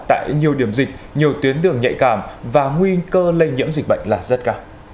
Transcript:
tại nhiều điểm dịch nhiều tuyến đường nhạy cảm và nguy cơ lây nhiễm dịch bệnh là rất cao